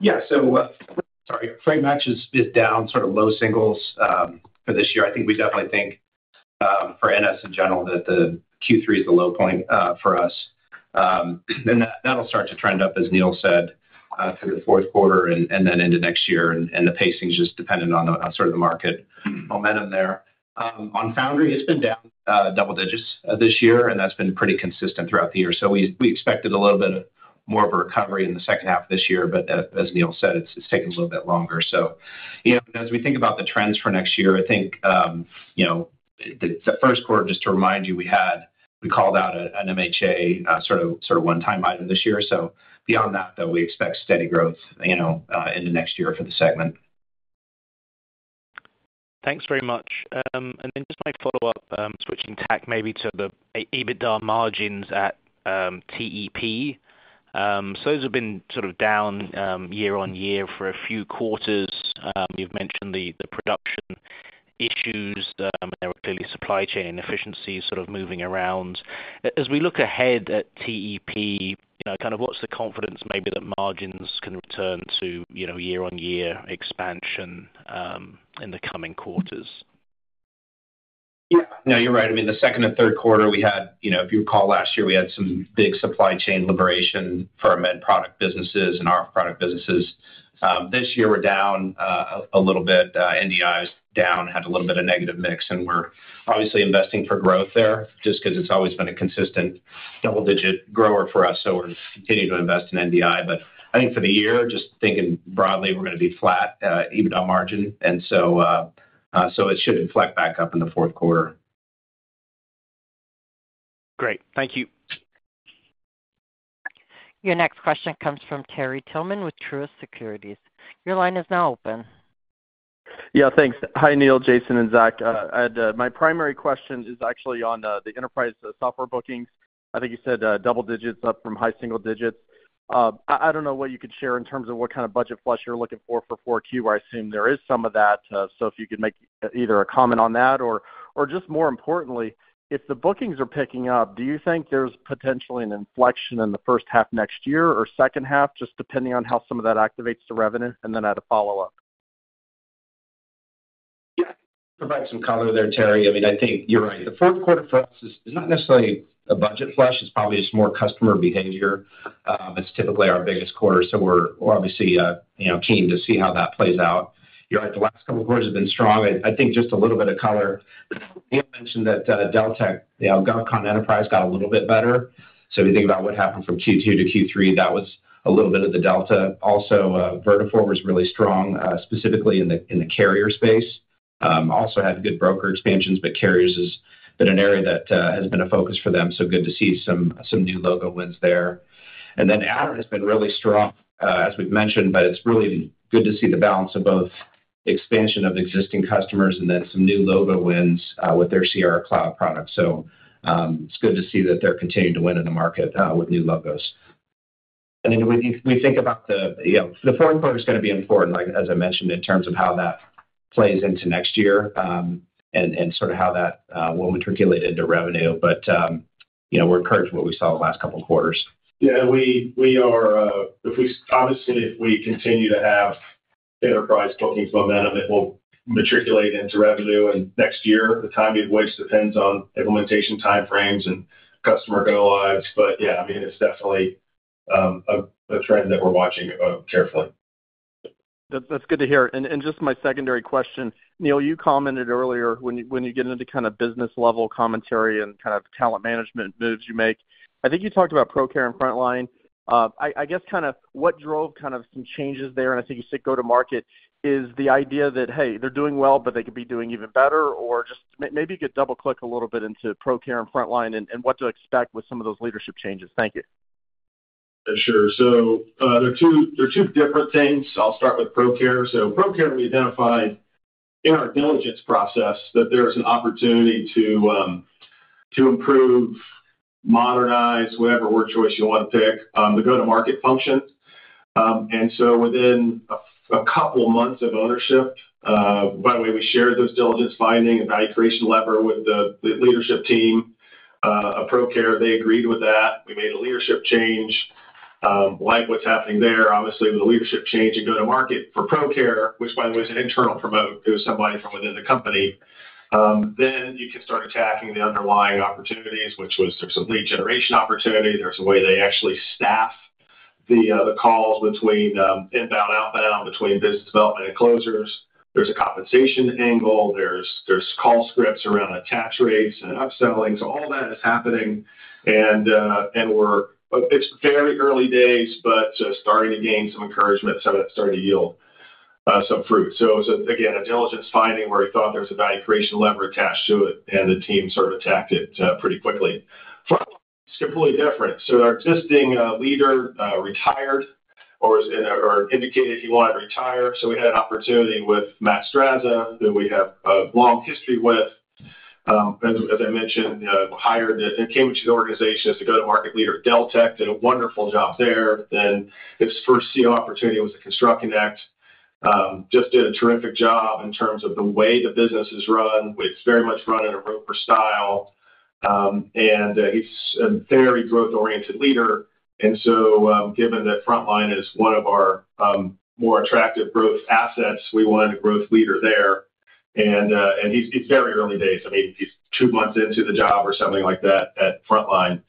Yeah. So, sorry. Freight matches is down, sort of low singles, for this year. I think we definitely think, for NS in general, that the Q3 is the low point, for us, and that'll start to trend up, as Neil said, through the fourth quarter and then into next year, and the pacing is just dependent on the, on sort of the market momentum there. On Foundry, it's been down double digits this year, and that's been pretty consistent throughout the year. So we expected a little bit of more of a recovery in the second half of this year, but as Neil said, it's taking a little bit longer. You know, as we think about the trends for next year, I think, you know, the first quarter, just to remind you, we called out an MHA sort of one-time item this year. Beyond that, though, we expect steady growth, you know, in the next year for the segment. Thanks very much. And then just my follow-up, switching tack maybe to the EBITDA margins at TEP. So those have been sort of down year-on-year for a few quarters. You've mentioned the production issues, and there were clearly supply chain inefficiencies sort of moving around. As we look ahead at TEP, you know, kind of what's the confidence maybe that margins can return to year-on-year expansion in the coming quarters? Yeah. No, you're right. I mean, the second and third quarter, we had... You know, if you recall, last year, we had some big supply chain liberation for our med product businesses and our product businesses. This year, we're down a little bit. NDI is down, had a little bit of negative mix, and we're obviously investing for growth there just 'cause it's always been a consistent double-digit grower for us, so we're continuing to invest in NDI. But I think for the year, just thinking broadly, we're gonna be flat EBITDA margin, and so it should inflect back up in the fourth quarter. Great. Thank you. Your next question comes from Terry Tillman with Truist Securities. Your line is now open. Yeah, thanks. Hi, Neil, Jason, and Zack. I had my primary question is actually on the enterprise software bookings. I think you said double digits up from high single digits. I don't know what you could share in terms of what kind of budget flush you're looking for for 4Q. I assume there is some of that, so if you could make either a comment on that or just more importantly, if the bookings are picking up, do you think there's potentially an inflection in the first half next year or second half, just depending on how some of that activates the revenue? And then add a follow-up. Yeah. Provide some color there, Terry. I mean, I think you're right. The fourth quarter for us is not necessarily a budget flush. It's probably just more customer behavior. It's typically our biggest quarter, so we're obviously, you know, keen to see how that plays out. You're right, the last couple of quarters have been strong, and I think just a little bit of color. Neil mentioned that, Deltek, the application enterprise, got a little bit better. So if you think about what happened from Q2 to Q3, that was a little bit of the delta. Also, Vertafore was really strong, specifically in the carrier space. Also had good broker expansions, but carriers has been an area that has been a focus for them, so good to see some new logo wins there. And then Aderant has been really strong, as we've mentioned, but it's really good to see the balance of both expansion of existing customers and then some new logo wins with their Sierra cloud products. So, it's good to see that they're continuing to win in the market with new logos. And if we think about the, you know, the fourth quarter is gonna be important, like, as I mentioned, in terms of how that plays into next year, and sort of how that will materialize into revenue. But you know, we're encouraged what we saw the last couple of quarters. Yeah, if we continue to have enterprise bookings momentum, it will materialize into revenue in next year. The timing of which depends on implementation time frames and customer go lives. But yeah, I mean, it's definitely a trend that we're watching carefully. That's good to hear. And just my secondary question, Neil, you commented earlier, when you get into kind of business level commentary and kind of talent management moves you make, I think you talked about Procare and Frontline. I guess kind of what drove kind of some changes there, and I think you said go-to-market, is the idea that, hey, they're doing well, but they could be doing even better, or just maybe you could double click a little bit into Procare and Frontline and what to expect with some of those leadership changes. Thank you. Sure. So, there are two different things. I'll start with Procare. So Procare, we identified in our diligence process that there is an opportunity to improve, modernize, whatever word choice you want to pick, the go-to-market function. And so within a couple of months of ownership, by the way, we shared those diligence finding and value creation lever with the leadership team of Procare. They agreed with that. We made a leadership change, like what's happening there. Obviously, with the leadership change and go-to-market for Procare, which by the way, is an internal promote, it was somebody from within the company. Then you can start attacking the underlying opportunities, which was there's a lead generation opportunity. There's a way they actually staff the calls between inbound, outbound, between business development and closers. There's a compensation angle, there's call scripts around attach rates and upselling. So all that is happening, and but it's very early days, but starting to gain some encouragement, so that's starting to yield some fruit. So again, a diligence finding where we thought there was a value creation lever attached to it, and the team sort of attacked it pretty quickly. Frontline, it's completely different. So our existing leader retired or indicated he wanted to retire. So we had an opportunity with Matt Strazza, who we have a long history with. As I mentioned, hired and came into the organization as the go-to-market leader at Deltek, did a wonderful job there. Then his first CEO opportunity was to ConstructConnect. Just did a terrific job in terms of the way the business is run. It's very much run in a Roper style, and he's a very growth-oriented leader, and so, given that Frontline is one of our more attractive growth assets, we wanted a growth leader there. And he's it's very early days. I mean, he's two months into the job or something like that at Frontline.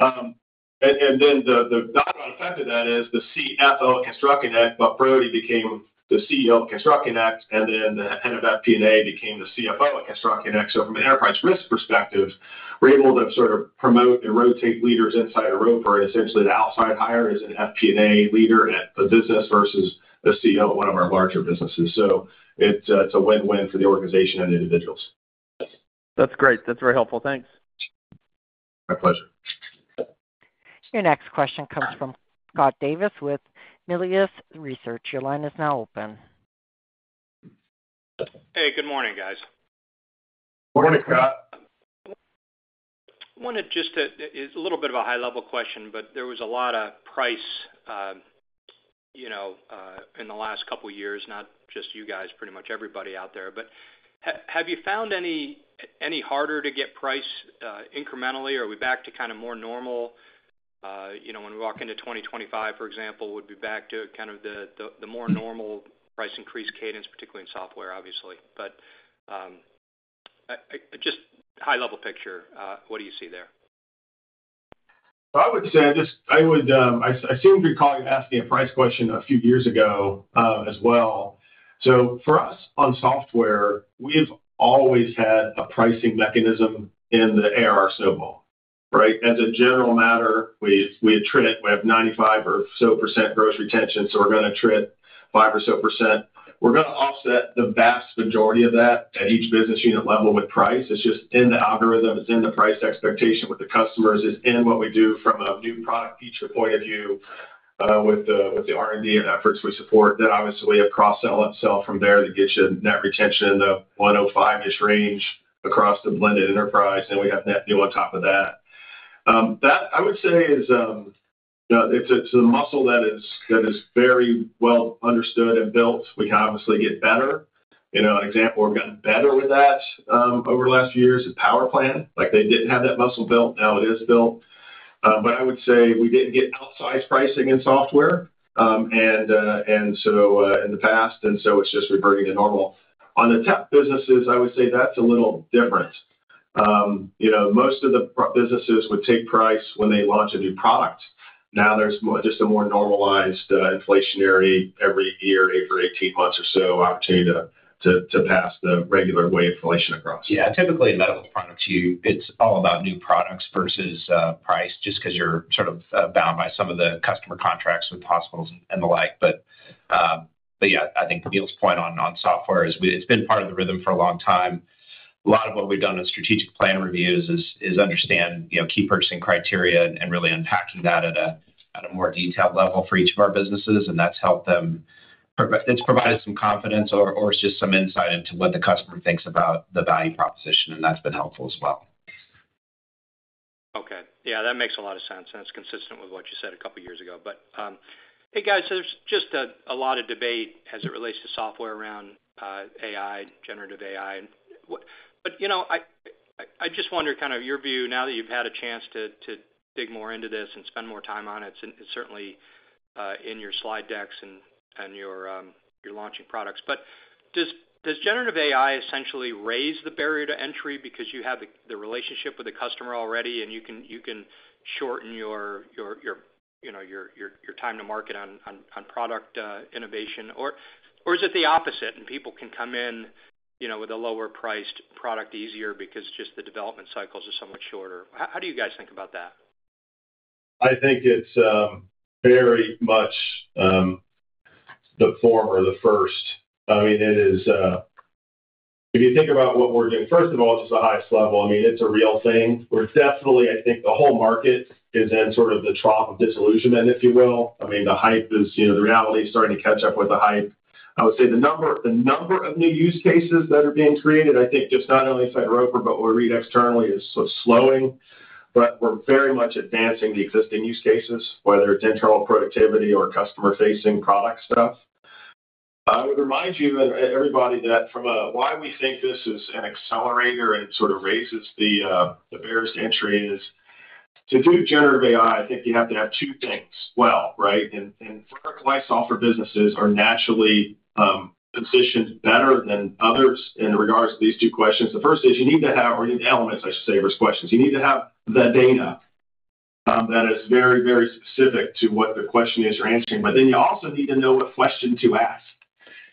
And then the domino effect of that is the CFO of ConstructConnect, Buck Brody, became the CEO of ConstructConnect, and then the head of FP&A became the CFO at ConstructConnect. So from an enterprise risk perspective, we're able to sort of promote and rotate leaders inside of Roper, and essentially, the outside hire is an FP&A leader at the business versus the CEO at one of our larger businesses. So it's, it's a win-win for the organization and individuals. That's great. That's very helpful. Thanks. My pleasure. Your next question comes from Scott Davis with Melius Research. Your line is now open. Hey, good morning, guys. Good morning, Scott. Wanted just to... It's a little bit of a high-level question, but there was a lot of price, you know, in the last couple of years, not just you guys, pretty much everybody out there. But have you found any harder to get price, incrementally? Are we back to kind of more normal, you know, when we walk into twenty twenty-five, for example, would be back to kind of the more normal price increase cadence, particularly in software, obviously? But, I just high-level picture, what do you see there? I would say, I seem to recall you asking me a price question a few years ago, as well. So for us, on software, we've always had a pricing mechanism in the ARR snowball, right? As a general matter, we attrit. We have 95% or so gross retention, so we're gonna attrit 5% or so. We're gonna offset the vast majority of that at each business unit level with price. It's just in the algorithm. It's in the price expectation with the customers. It's in what we do from a new product feature point of view, with the R&D and efforts we support. Then, obviously, a cross-sell, upsell from there that gets you net retention of 105%-ish range across the blended enterprise. Then we have net new on top of that. That, I would say, is, it's a muscle that is very well understood and built. We obviously get better. You know, an example, we've gotten better with that over the last few years is PowerPlan. Like, they didn't have that muscle built, now it is built. But I would say we didn't get outsized pricing in software, and so in the past, and so it's just reverting to normal. On the tech businesses, I would say that's a little different. You know, most of the product businesses would take price when they launch a new product. Now there's more, just a more normalized inflationary every year, every eighteen months or so, opportunity to pass the regular wave inflation across. Yeah, typically, medical products, you—it's all about new products versus price, just 'cause you're sort of bound by some of the customer contracts with hospitals and the like. But, but yeah, I think Neil's point on non-software is it's been part of the rhythm for a long time. A lot of what we've done in strategic plan reviews is understand, you know, key purchasing criteria and really unpacking that at a more detailed level for each of our businesses, and that's helped them pro—it's provided some confidence or just some insight into what the customer thinks about the value proposition, and that's been helpful as well. Okay. Yeah, that makes a lot of sense, and it's consistent with what you said a couple of years ago. But, hey, guys, there's just a lot of debate as it relates to software around AI, generative AI. But, you know, I just wonder kind of your view now that you've had a chance to dig more into this and spend more time on it, and it's certainly in your slide decks and your launching products. But does generative AI essentially raise the barrier to entry because you have the relationship with the customer already, and you can shorten your time to market on product innovation? Or, is it the opposite, and people can come in, you know, with a lower-priced product easier because just the development cycles are so much shorter? How do you guys think about that? I think it's very much the former, the first. I mean, it is. If you think about what we're doing, first of all, it's just the highest level. I mean, it's a real thing. We're definitely, I think the whole market is in sort of the trough of disillusionment, if you will. I mean, the hype is, you know, the reality is starting to catch up with the hype. I would say the number of new use cases that are being created, I think, just not only inside Roper, but what we read externally, is sort of slowing. But we're very much advancing the existing use cases, whether it's internal productivity or customer-facing product stuff. I would remind you, everybody, that from a why we think this is an accelerator and sort of raises the barriers to entry is, to do generative AI, I think you have to have two things well, right? And verticalized software businesses are naturally positioned better than others in regards to these two questions. The first is you need to have, or need elements, I should say, versus questions. You need to have the data that is very, very specific to what the question is you're answering, but then you also need to know what question to ask.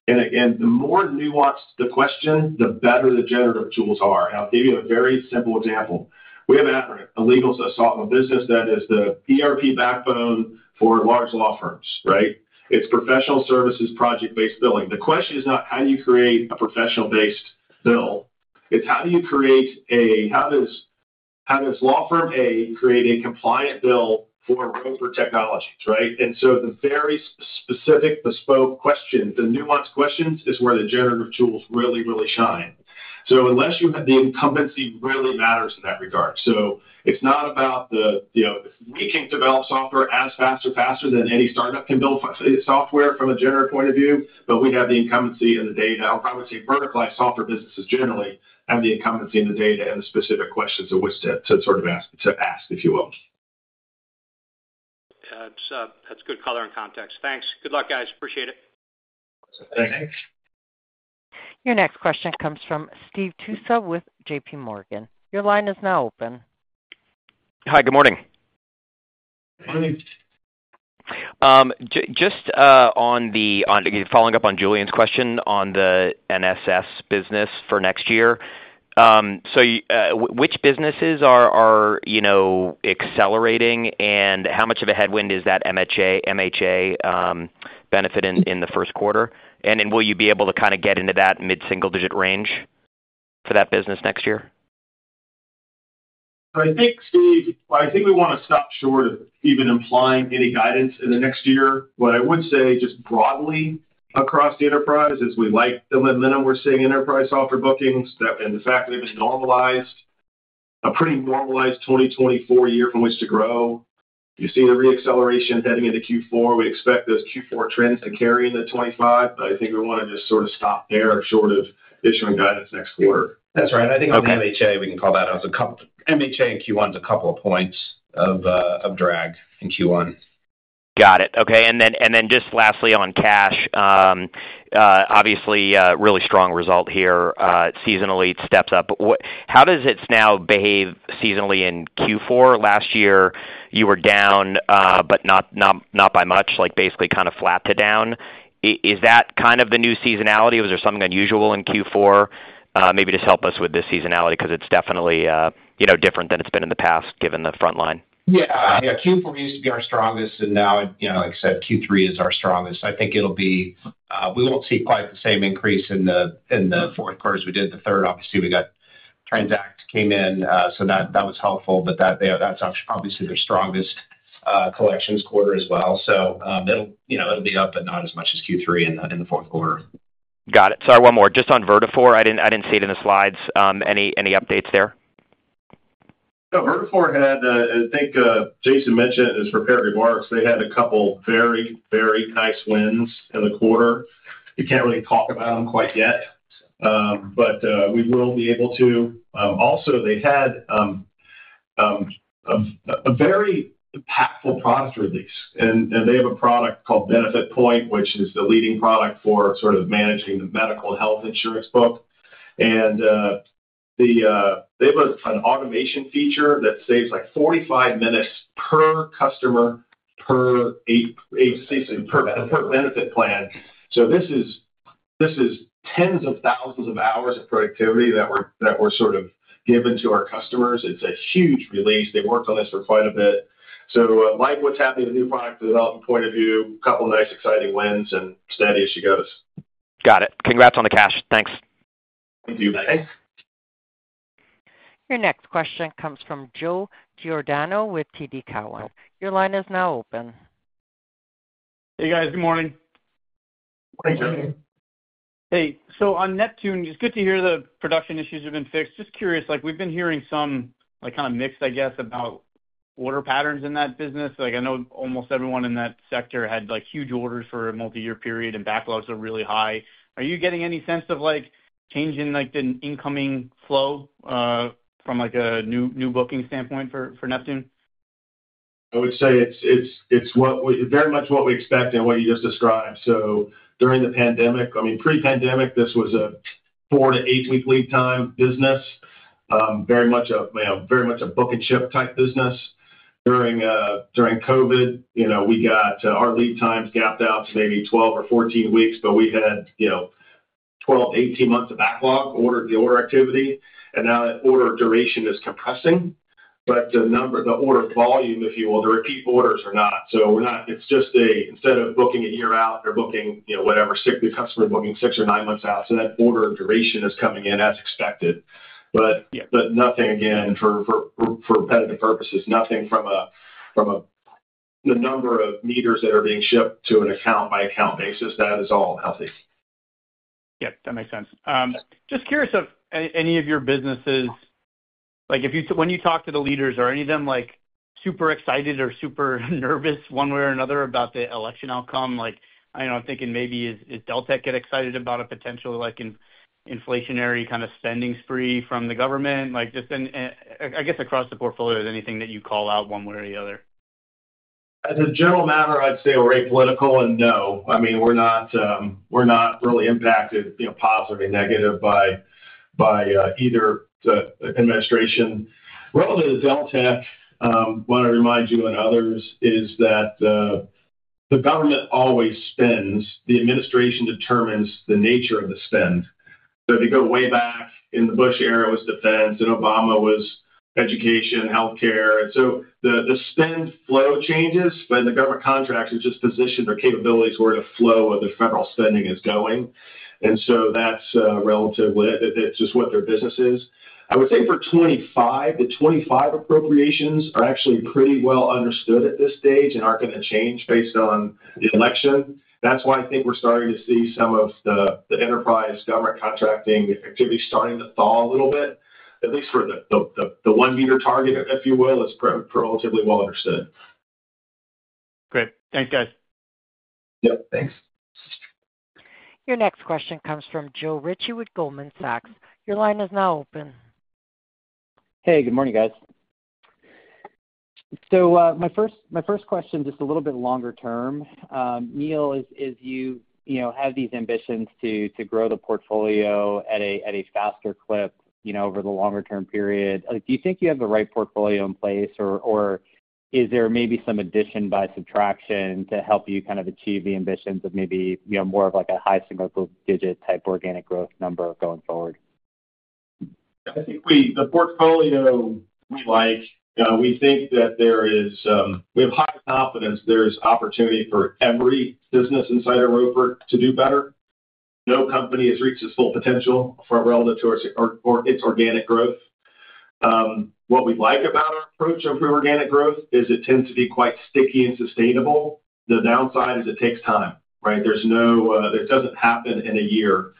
And again, the more nuanced the question, the better the generative tools are. I'll give you a very simple example. We have an acronym, Aderant, a business that is the ERP backbone for large law firms, right? It's professional services, project-based billing. The question is not how do you create a professional-based bill, it's how do you create a how does law firm A create a compliant bill for Roper Technologies, right? And so the very specific bespoke question, the nuanced questions, is where the generative tools really, really shine. So unless you have the incumbency, really matters in that regard. So it's not about the, you know, we can develop software as fast or faster than any startup can build software from a generative point of view, but we have the incumbency and the data. I would probably say verticalized software businesses generally have the incumbency and the data and the specific questions of which to sort of ask, if you will.... So that's good color and context. Thanks. Good luck, guys. Appreciate it. Thanks. Your next question comes from Steve Tusa with JPMorgan. Your line is now open. Hi, good morning. Good morning. Just on following up on Julian's question on the NSS business for next year. So which businesses are you know accelerating, and how much of a headwind is that MHA benefit in the first quarter? And then will you be able to kind of get into that mid-single-digit range for that business next year? I think, Steve, I think we want to stop short of even implying any guidance in the next year. What I would say, just broadly across the enterprise, is we like the momentum we're seeing in enterprise software bookings, that and the fact that they've been normalized, a pretty normalized 2024 year from which to grow. You've seen the reacceleration heading into Q4. We expect those Q4 trends to carry into 2025, but I think we want to just sort of stop there, short of issuing guidance next quarter. That's right. Okay. I think on MHA, we can call that out. MHA in Q1 is a couple of points of drag in Q1. Got it. Okay, and then just lastly, on cash, obviously, a really strong result here. Seasonally, it steps up. What - how does it now behave seasonally in Q4? Last year, you were down, but not by much, like, basically kind of flat to down. Is that kind of the new seasonality, or was there something unusual in Q4? Maybe just help us with the seasonality, because it's definitely, you know, different than it's been in the past, given the Frontline. Yeah. Yeah, Q4 used to be our strongest, and now, you know, like I said, Q3 is our strongest. I think it'll be, we won't see quite the same increase in the, in the fourth quarter as we did in the third. Obviously, we got Transact came in, so that, that was helpful. But that, yeah, that's obviously their strongest, collections quarter as well. So, it'll, you know, it'll be up, but not as much as Q3 in, in the fourth quarter. Got it. Sorry, one more. Just on Vertafore, I didn't see it in the slides. Any updates there? No, Vertafore had, I think, Jason mentioned in his prepared remarks, they had a couple very, very nice wins in the quarter. We can't really talk about them quite yet, but, we will be able to. Also, they had a very impactful product release, and they have a product called BenefitPoint, which is the leading product for sort of managing the medical and health insurance book. And, they have an automation feature that saves, like, 45 minutes per customer, per benefit plan. So this is tens of thousands of hours of productivity that were sort of given to our customers. It's a huge release. They've worked on this for quite a bit. So, like what's happening with new product development point of view, a couple of nice exciting wins and steady as she goes. Got it. Congrats on the cash. Thanks. Thank you. Your next question comes from Joe Giordano with TD Cowen. Your line is now open. Hey, guys, good morning. Good morning. Hey, so on Neptune, it's good to hear the production issues have been fixed. Just curious, like, we've been hearing some, like, kind of mixed, I guess, about order patterns in that business. Like, I know almost everyone in that sector had, like, huge orders for a multi-year period, and backlogs are really high. Are you getting any sense of, like, change in, like, the incoming flow, from, like, a new, new booking standpoint for, for Neptune? I would say it's what we very much expect and what you just described. So during the pandemic, I mean, pre-pandemic, this was a four-to-eight-week lead time business, very much a book-and-ship type business. During COVID, you know, we got our lead times gapped out to maybe 12 or 14 weeks, but we had, you know, 12-18 months of backlog, order to order activity, and now that order duration is compressing. But the order volume, if you will, the repeat orders, are not. So we're not. It's just instead of booking a year out, they're booking, you know, whatever, the customer booking six or nine months out, so that order duration is coming in as expected. But nothing, again, for competitive purposes, nothing from a number of meters that are being shipped to an account-by-account basis. That is all healthy. Yeah, that makes sense. Just curious if any of your businesses, like, if you... When you talk to the leaders, are any of them, like, super excited or super nervous one way or another about the election outcome? Like, I know, I'm thinking maybe is, is Deltek get excited about a potential, like, inflationary kind of spending spree from the government? Like, just, and, I guess, across the portfolio, is there anything that you call out one way or the other? As a general matter, I'd say we're apolitical, and no. I mean, we're not, we're not really impacted, you know, positively, negative by, by, either the administration. Relative to Deltek, I want to remind you and others, is that, the government always spends. The administration determines the nature of the spend. So if you go way back in the Bush era, it was defense, and Obama was education, healthcare. And so the, the spend flow changes, but the government contracts is just positioned their capabilities where the flow of the federal spending is going. And so that's, relative with it. It's just what their business is. I would say for 2025, the 2025 appropriations are actually pretty well understood at this stage and aren't going to change based on the election. That's why I think we're starting to see some of the enterprise government contracting activity starting to thaw a little bit, at least for the one meter target, if you will, is relatively well understood. Great. Thanks, guys. Yep, thanks. ... Your next question comes from Joe Ritchie with Goldman Sachs. Your line is now open. Hey, good morning, guys. My first question, just a little bit longer term. Neil, as you know, have these ambitions to grow the portfolio at a faster clip, you know, over the longer term period. Do you think you have the right portfolio in place, or is there maybe some addition by subtraction to help you kind of achieve the ambitions of maybe, you know, more of like a high single digit type organic growth number going forward? I think we like the portfolio, we think that there is, we have high confidence there's opportunity for every business inside of Roper to do better. No company has reached its full potential relative to its organic growth. What we like about our approach of organic growth is it tends to be quite sticky and sustainable. The downside is it takes time, right? There's no, it doesn't happen in a year.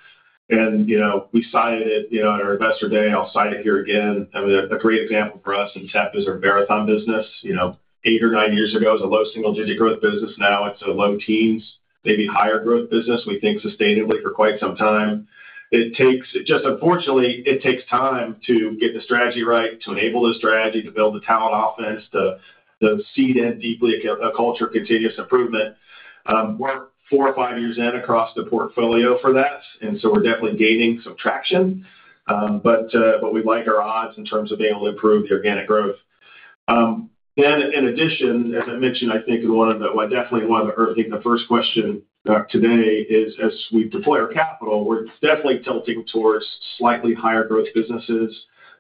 And, you know, we cited it, you know, at our Investor Day, and I'll cite it here again. I mean, a great example for us in tech is our Verathon business. You know, eight or nine years ago, it was a low single-digit growth business. Now it's a low teens, maybe higher growth business, we think, sustainably for quite some time. It takes... Just, unfortunately, it takes time to get the strategy right, to enable the strategy, to build the talent offense, to seed in deeply a culture of continuous improvement. We're four or five years in across the portfolio for that, and so we're definitely gaining some traction, but we like our odds in terms of being able to improve the organic growth, then in addition, as I mentioned, I think in one of the, well, definitely one of the, I think the first question today is, as we deploy our capital, we're definitely tilting towards slightly higher growth businesses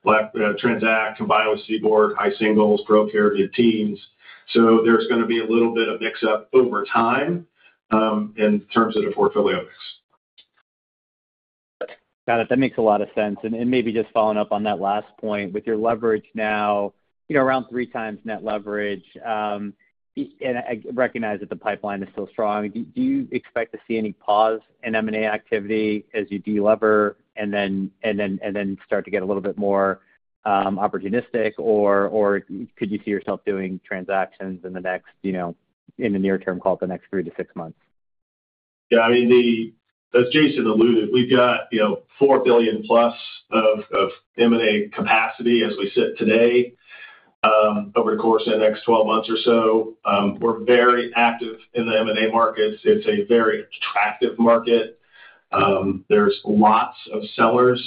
like Transact, combined with CBORD, high singles, Procare, mid-teens. So there's gonna be a little bit of mix-up over time, in terms of the portfolio mix. Got it. That makes a lot of sense. And maybe just following up on that last point, with your leverage now, you know, around three times net leverage, and I recognize that the pipeline is still strong, do you expect to see any pause in M&A activity as you de-lever and then start to get a little bit more opportunistic? Or could you see yourself doing transactions in the next, you know, in the near term, call it the next three to six months? Yeah, I mean, the, as Jason alluded, we've got, you know, $4 billion plus of M&A capacity as we sit today. Over the course of the next twelve months or so, we're very active in the M&A markets. It's a very attractive market. There's lots of sellers.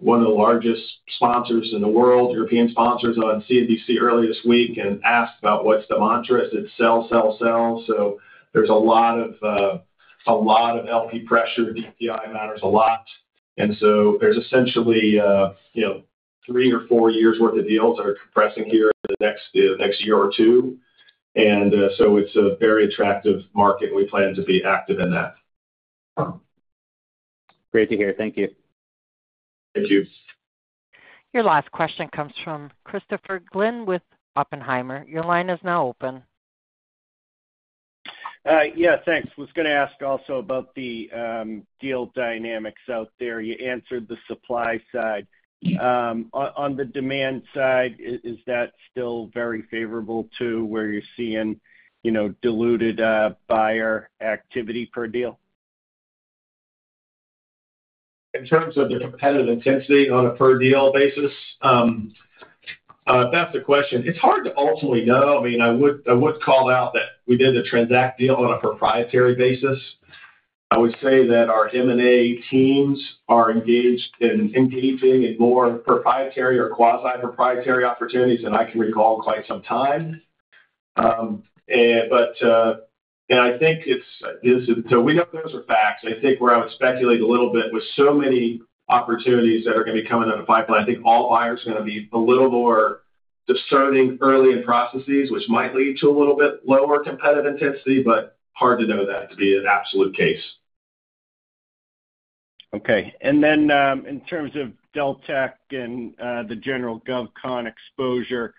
One of the largest sponsors in the world, European sponsors, on CNBC earlier this week and asked about what's the mantra, is it sell, sell, sell. So there's a lot of LP pressure. DPI matters a lot. And so there's essentially, you know, three or four years' worth of deals that are compressing here in the next year or two. And, so it's a very attractive market. We plan to be active in that. Great to hear. Thank you. Thank you. Your last question comes from Christopher Glynn with Oppenheimer. Your line is now open. Yeah, thanks. Was gonna ask also about the deal dynamics out there. You answered the supply side. On the demand side, is that still very favorable to where you're seeing, you know, diluted buyer activity per deal? In terms of the competitive intensity on a per-deal basis, that's the question. It's hard to ultimately know. I mean, I would call out that we did the Transact deal on a proprietary basis. I would say that our M&A teams are engaged in more proprietary or quasi-proprietary opportunities than I can recall in quite some time. But and I think it's so we know those are facts. I think where I would speculate a little bit, with so many opportunities that are gonna be coming out of the pipeline, I think all buyers are gonna be a little more discerning early in processes, which might lead to a little bit lower competitive intensity, but hard to know that to be an absolute case. Okay. And then, in terms of Deltek and the general GovCon exposure,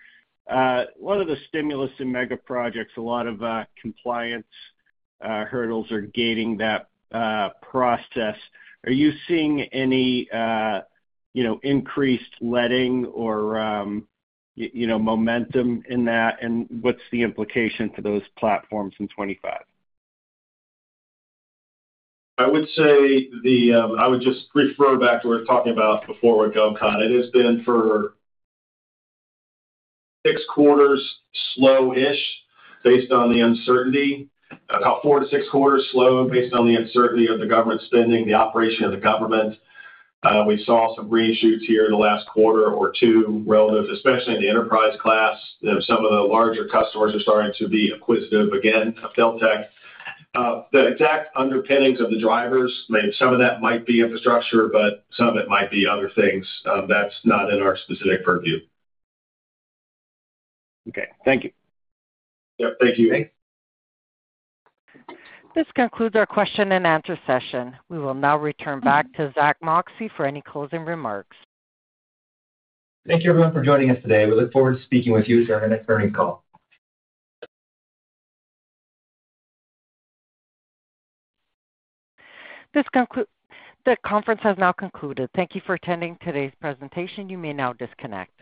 what are the stimulus and mega projects? A lot of compliance hurdles are gating that process. Are you seeing any, you know, increased letting or, you know, momentum in that? And what's the implication for those platforms in 2025? I would just refer back to what we were talking about before with GovCon. It has been for six quarters, slow-ish, based on the uncertainty. About four to six quarters slow, based on the uncertainty of the government spending, the operation of the government. We saw some reshoots here in the last quarter or two, relative, especially in the enterprise class. You know, some of the larger customers are starting to be acquisitive again of Deltek. The exact underpinnings of the drivers, maybe some of that might be infrastructure, but some of it might be other things. That's not in our specific purview. Okay, thank you. Yep, thank you. Thanks. This concludes our question-and-answer session. We will now return back to Zack Moxcey for any closing remarks. Thank you, everyone, for joining us today. We look forward to speaking with you during our next earnings call. This conference has now concluded. Thank you for attending today's presentation. You may now disconnect.